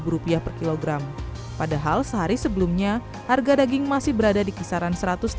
satu ratus lima puluh rupiah per kilogram padahal sehari sebelumnya harga daging masih berada di kisaran